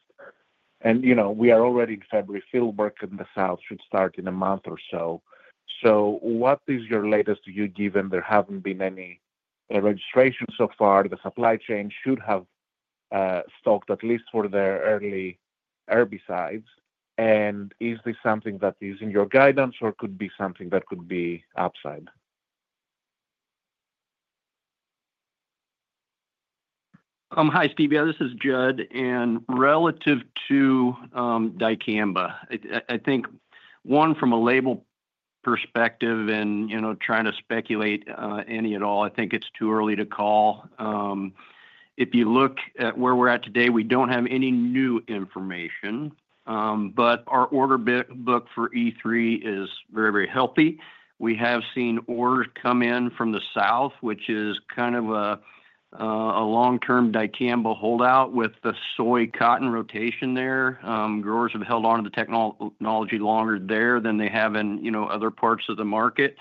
And, you know, we are already in February. Fieldwork in the south should start in a month or so. So what is your latest view, given there haven't been any registrations so far? The supply chain should have stocked at least for their early herbicides. And is this something that is in your guidance or could be something that could be upside? Hi, Steve. This is Judd. And relative to Dicamba, I think one from a label perspective and, you know, trying to speculate any at all, I think it's too early to call. If you look at where we're at today, we don't have any new information, but our order book for E3 is very, very healthy. We have seen orders come in from the south, which is kind of a long-term Dicamba holdout with the soy cotton rotation there. Growers have held on to the technology longer there than they have in, you know, other parts of the market.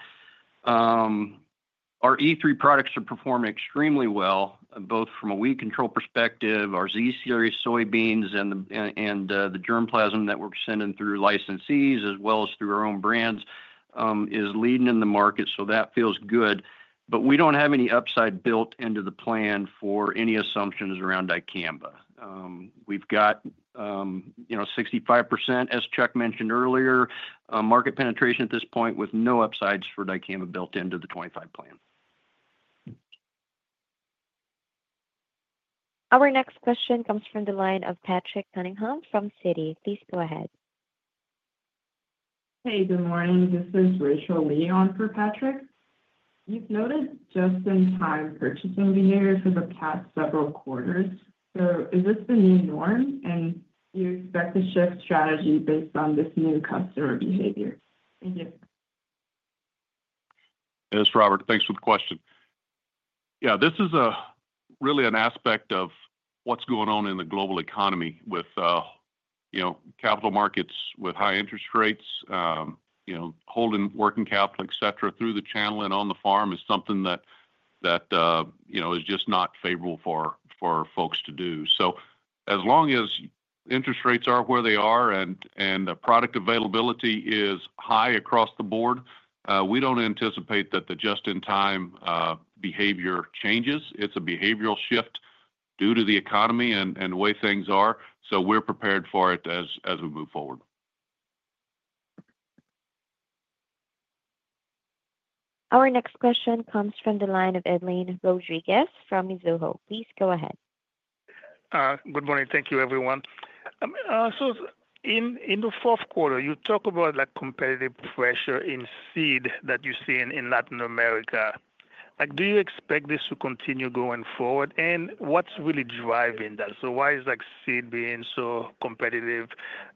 Our E3 products are performing extremely well, both from a weed control perspective. Our Z-Series soybeans and the germplasm that we're sending through licensees, as well as through our own brands, is leading in the market, so that feels good. But we don't have any upside built into the plan for any assumptions around Dicamba. We've got, you know, 65%, as Chuck mentioned earlier, market penetration at this point with no upsides for Dicamba built into the 25 plan. Our next question comes from the line of Patrick Cunningham from Citi. Please go ahead. Hey, good morning. This is Raquel Leon for Patrick. You've noted just-in-time purchasing behavior for the past several quarters. So is this the new norm, and do you expect to shift strategy based on this new customer behavior? Thank you. This is Robert. Thanks for the question. Yeah, this is really an aspect of what's going on in the global economy with, you know, capital markets with high interest rates, you know, holding working capital, et cetera, through the channel and on the farm is something that, you know, is just not favorable for folks to do. So as long as interest rates are where they are and the product availability is high across the board, we don't anticipate that the just-in-time behavior changes. It's a behavioral shift due to the economy and the way things are. So we're prepared for it as we move forward. Our next question comes from the line of Edlain Rodriguez from Mizuho. Please go ahead. Good morning. Thank you, everyone. So in the fourth quarter, you talk about that competitive pressure in seed that you're seeing in Latin America. Do you expect this to continue going forward? And what's really driving that? So why is seed being so competitive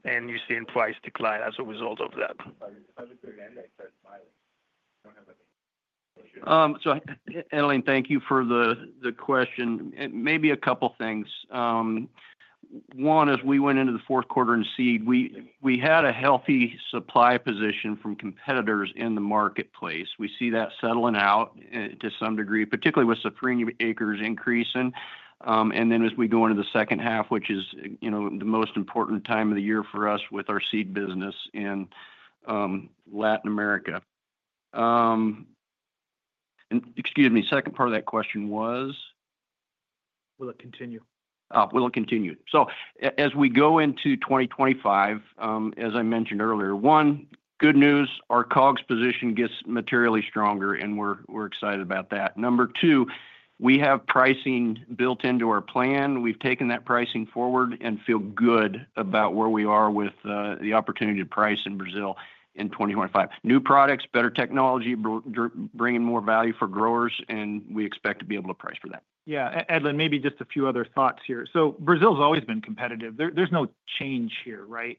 and you're seeing price decline as a result of that? So Edlain, thank you for the question. Maybe a couple of things. One, as we went into the fourth quarter in seed, we had a healthy supply position from competitors in the marketplace. We see that settling out to some degree, particularly with safrinha acres increasing. And then as we go into the second half, which is, you know, the most important time of the year for us with our seed business in Latin America. And excuse me, second part of that question was? Will it continue? Will it continue? So as we go into 2025, as I mentioned earlier, one, good news, our COGS position gets materially stronger, and we're excited about that. Number two, we have pricing built into our plan. We've taken that pricing forward and feel good about where we are with the opportunity to price in Brazil in 2025. New products, better technology, bringing more value for growers, and we expect to be able to price for that. Yeah. Edlain, maybe just a few other thoughts here. So Brazil's always been competitive. There's no change here, right?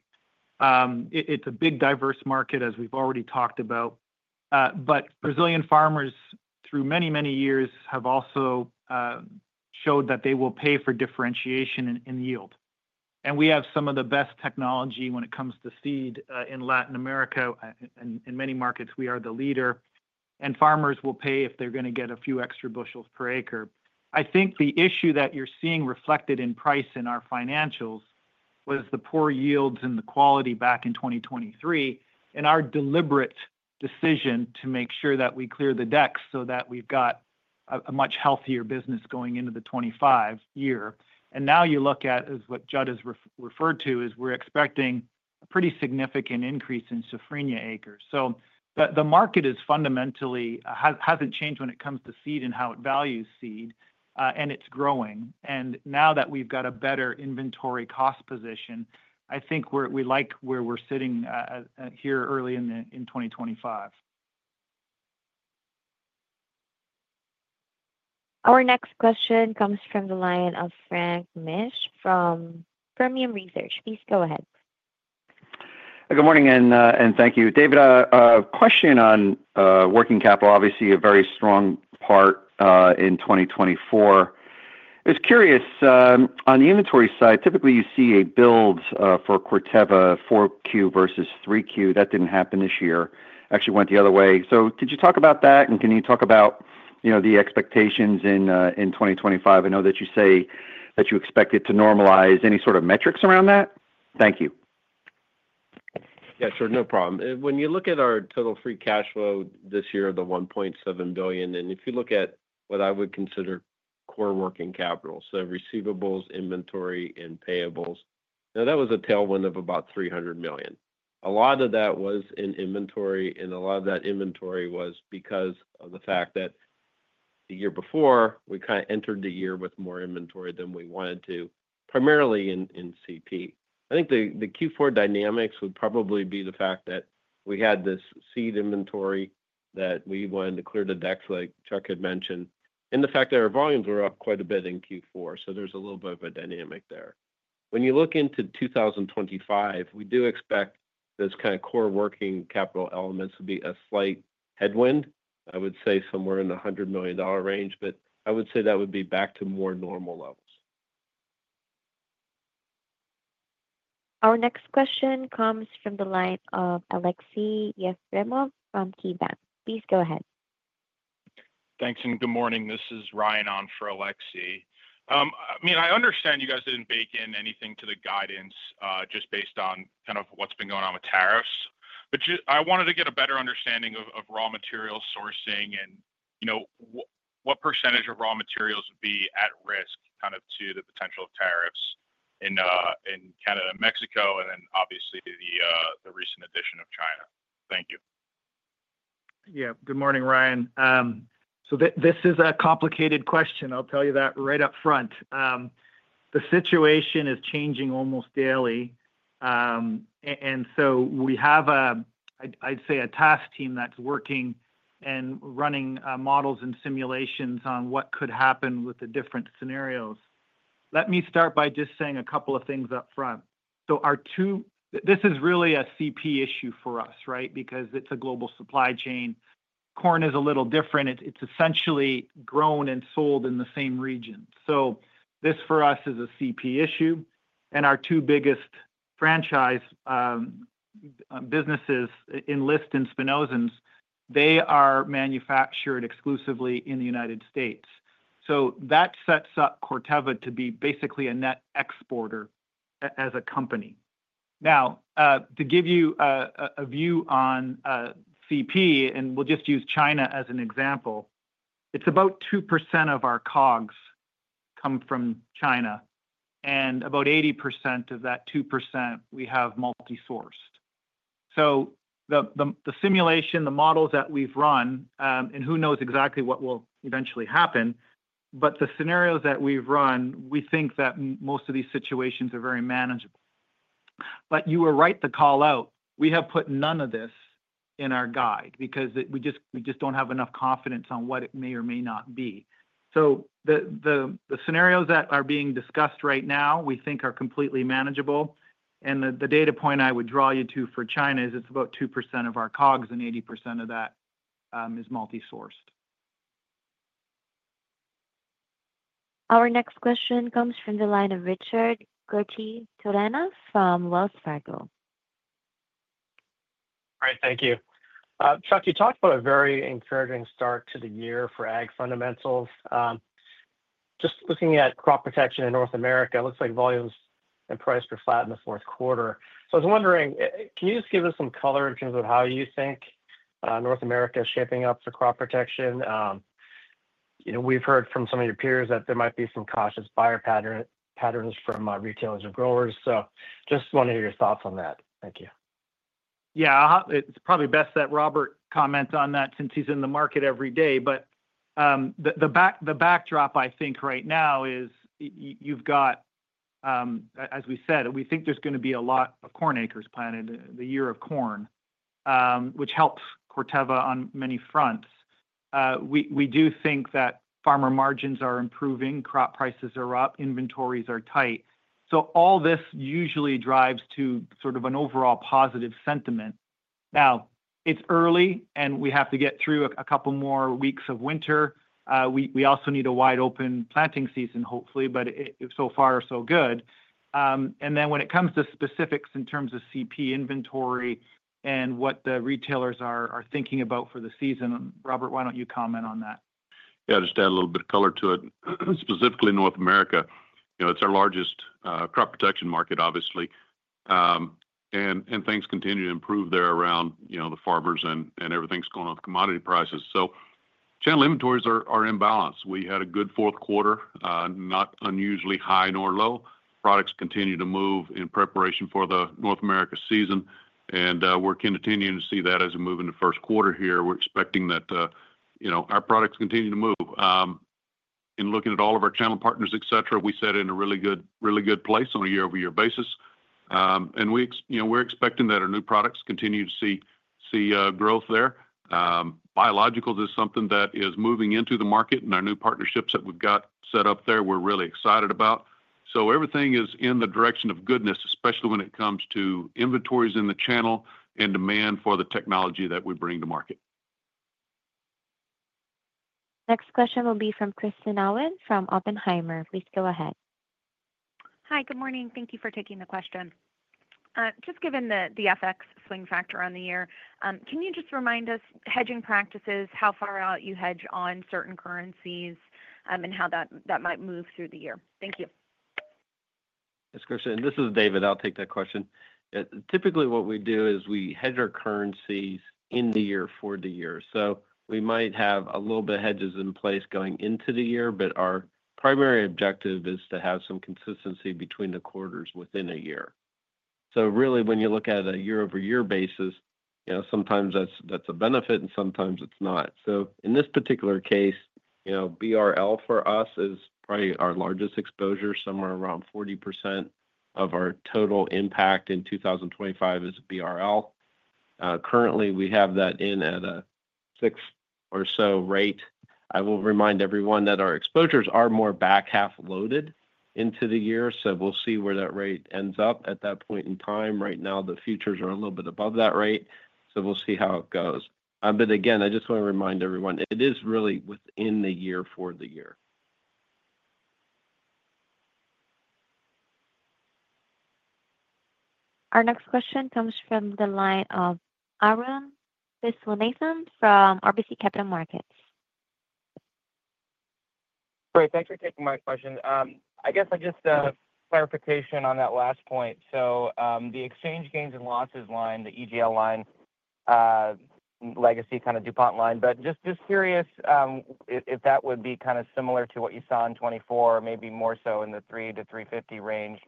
It's a big diverse market, as we've already talked about. But Brazilian farmers, through many, many years, have also showed that they will pay for differentiation in yield. And we have some of the best technology when it comes to seed in Latin America. In many markets, we are the leader, and farmers will pay if they're going to get a few extra bushels per acre. I think the issue that you're seeing reflected in price in our financials was the poor yields and the quality back in 2023 and our deliberate decision to make sure that we clear the decks so that we've got a much healthier business going into the 2025 year. Now you look at, as what Judd has referred to, is we're expecting a pretty significant increase in Safrinha acres. The market hasn't changed when it comes to seed and how it values seed, and it's growing. Now that we've got a better inventory cost position, I think we like where we're sitting here early in 2025. Our next question comes from the line of Frank Mitsch from Fermium Research. Please go ahead. Good morning and thank you. David, a question on working capital, obviously a very strong part in 2024. I was curious, on the inventory side, typically you see a build for Corteva 4Q versus 3Q. That didn't happen this year. Actually went the other way. So could you talk about that, and can you talk about, you know, the expectations in 2025? I know that you say that you expect it to normalize any sort of metrics around that. Thank you. Yeah, sure. No problem. When you look at our total free cash flow this year, the $1.7 billion, and if you look at what I would consider core working capital, so receivables, inventory, and payables, now that was a tailwind of about $300 million. A lot of that was in inventory, and a lot of that inventory was because of the fact that the year before, we kind of entered the year with more inventory than we wanted to, primarily in CP. I think the Q4 dynamics would probably be the fact that we had this seed inventory that we wanted to clear the decks, like Chuck had mentioned, and the fact that our volumes were up quite a bit in Q4. So there's a little bit of a dynamic there. When you look into 2025, we do expect those kind of core working capital elements to be a slight headwind. I would say somewhere in the $100 million range, but I would say that would be back to more normal levels. Our next question comes from the line of Aleksey Yefremov from KeyBanc. Please go ahead. Thanks and good morning. This is Ryan on for Aleksey. I mean, I understand you guys didn't bake in anything to the guidance just based on kind of what's been going on with tariffs, but I wanted to get a better understanding of raw materials sourcing and, you know, what percentage of raw materials would be at risk kind of to the potential of tariffs in Canada and Mexico, and then obviously the recent addition of China. Thank you. Yeah. Good morning, Ryan. So this is a complicated question. I'll tell you that right up front. The situation is changing almost daily, and so we have, I'd say, a task team that's working and running models and simulations on what could happen with the different scenarios. Let me start by just saying a couple of things up front. So this is really a CP issue for us, right, because it's a global supply chain. Corn is a little different. It's essentially grown and sold in the same region. So this for us is a CP issue. And our two biggest franchise businesses in Enlist and Spinosyns, they are manufactured exclusively in the United States. So that sets up Corteva to be basically a net exporter as a company. Now, to give you a view on CP, and we'll just use China as an example, it's about 2% of our COGS come from China, and about 80% of that 2% we have multi-sourced. So the simulation, the models that we've run, and who knows exactly what will eventually happen, but the scenarios that we've run, we think that most of these situations are very manageable. But you were right to call out. We have put none of this in our guide because we just don't have enough confidence on what it may or may not be. So the scenarios that are being discussed right now, we think are completely manageable. And the data point I would draw you to for China is it's about 2% of our COGS and 80% of that is multi-sourced. Our next question comes from the line of Richard Garchitorena from Wells Fargo. All right. Thank you. Chuck, you talked about a very encouraging start to the year for ag fundamentals. Just looking at crop protection in North America, it looks like volumes and price were flat in the fourth quarter. So I was wondering, can you just give us some color in terms of how you think North America is shaping up for crop protection? You know, we've heard from some of your peers that there might be some cautious buyer patterns from retailers and growers. So just want to hear your thoughts on that. Thank you. Yeah, it's probably best that Robert comments on that since he's in the market every day. But the backdrop, I think, right now is you've got, as we said, we think there's going to be a lot of corn acres planted the year of corn, which helps Corteva on many fronts. We do think that farmer margins are improving, crop prices are up, inventories are tight. So all this usually drives to sort of an overall positive sentiment. Now, it's early, and we have to get through a couple more weeks of winter. We also need a wide open planting season, hopefully, but so far so good. And then when it comes to specifics in terms of CP inventory and what the retailers are thinking about for the season, Robert, why don't you comment on that? Yeah, just add a little bit of color to it. Specifically North America, you know, it's our largest crop protection market, obviously. And things continue to improve there around, you know, the farmers and everything's going on with commodity prices. So channel inventories are in balance. We had a good fourth quarter, not unusually high nor low. Products continue to move in preparation for the North America season. And we're continuing to see that as we move into first quarter here. We're expecting that, you know, our products continue to move. In looking at all of our channel partners, et cetera, we're in a really good place on a year-over-year basis. We're expecting that our new products continue to see growth there. Biologicals is something that is moving into the market, and our new partnerships that we've got set up there, we're really excited about. So everything is in the direction of goodness, especially when it comes to inventories in the channel and demand for the technology that we bring to market. Next question will be from Kristen Owen from Oppenheimer. Please go ahead. Hi, good morning. Thank you for taking the question. Just given the FX swing factor on the year, can you just remind us hedging practices, how far out you hedge on certain currencies and how that might move through the year? Thank you. Thanks, Kristen. This is David. I'll take that question. Typically, what we do is we hedge our currencies in the year for the year. So we might have a little bit of hedges in place going into the year, but our primary objective is to have some consistency between the quarters within a year. So really, when you look at a year-over-year basis, you know, sometimes that's a benefit and sometimes it's not. So in this particular case, you know, BRL for us is probably our largest exposure, somewhere around 40% of our total impact in 2025 is BRL. Currently, we have that in at a six or so rate. I will remind everyone that our exposures are more back half loaded into the year. So we'll see where that rate ends up at that point in time. Right now, the futures are a little bit above that rate. So we'll see how it goes. But again, I just want to remind everyone, it is really within the year for the year. Our next question comes from the line of Arun Viswanathan from RBC Capital Markets. Great. Thanks for taking my question. I guess just a clarification on that last point. So the exchange gains and losses line, the EGL line, legacy kind of DuPont line, but just curious if that would be kind of similar to what you saw in 2024, maybe more so in the 300-350 range.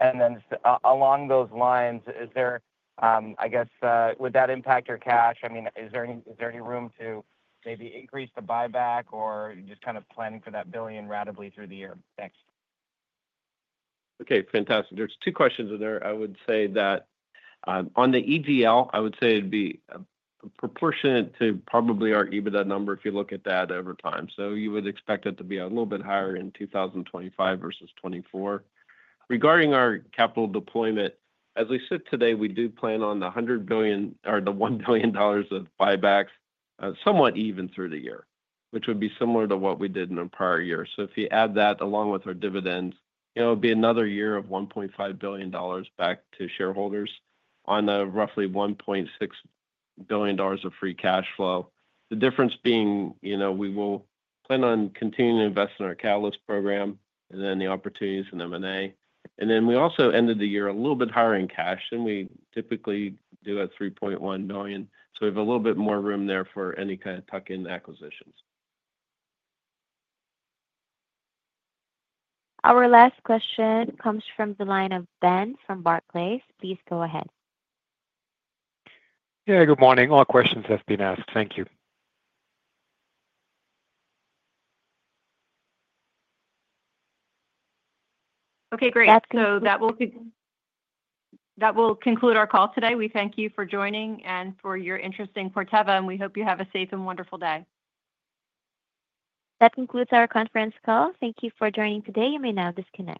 And then along those lines, is there, I guess, would that impact your cash? I mean, is there any room to maybe increase the buyback or just kind of planning for that billion in liquidity through the year next? Okay. Fantastic. There's two questions in there. I would say that on the EGL, I would say it'd be proportionate to probably our EBITDA number if you look at that over time. So you would expect it to be a little bit higher in 2025 versus 2024. Regarding our capital deployment, as we sit today, we do plan on the $1 billion of buybacks somewhat even through the year, which would be similar to what we did in a prior year. So if you add that along with our dividends, you know, it would be another year of $1.5 billion back to shareholders on a roughly $1.6 billion of free cash flow. The difference being, you know, we will plan on continuing to invest in our Catalyst Program and then the opportunities in M&A. And then we also ended the year a little bit higher in cash, and we typically do at $3.1 billion. So we have a little bit more room there for any kind of tuck-in acquisitions. Our last question comes from the line of Ben from Barclays. Please go ahead. Yeah, good morning. All questions have been asked. Thank you. Okay, great. So that will conclude our call today. We thank you for joining and for your interest in Corteva, and we hope you have a safe and wonderful day. That concludes our conference call. Thank you for joining today. You may now disconnect.